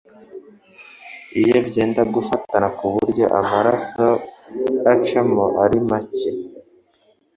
Iyo byenda gufatana ku buryo amaraso acamo ari make,